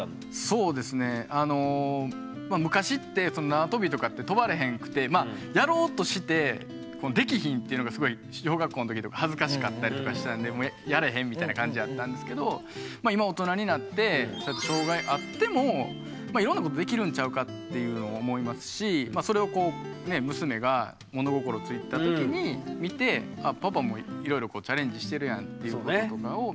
そうですねあの昔ってなわとびとかって跳ばれへんくてまあやろうとしてできひんっていうのがすごい小学校の時とか恥ずかしかったりとかしてたんでやれへんみたいな感じやったんですけど今大人になってっていうのを思いますしそれをこうね娘が物心付いた時に見てパパもいろいろチャレンジしてるやんっていうとことかを見て。